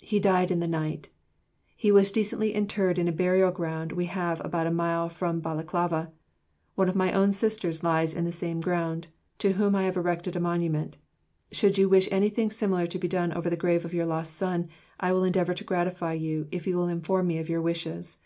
He died in the night.... He was decently interred in a burial ground we have about a mile from Balaklava. One of my own Sisters lies in the same ground, to whom I have erected a monument. Should you wish anything similar to be done over the grave of your lost son, I will endeavour to gratify you, if you will inform me of your wishes.